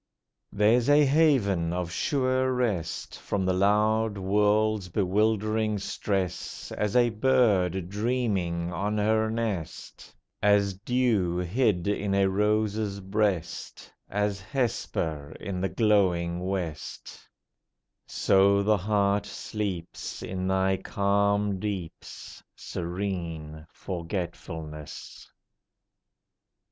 There's a haven of sure rest From the loud world's bewildering stress As a bird dreaming on her nest, As dew hid in a rose's breast, As Hesper in the glowing West; So the heart sleeps In thy calm deeps, Serene Forgetfulness!